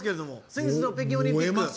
先日の北京オリンピック。